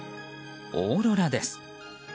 オーロラです。